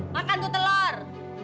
makan tuh telur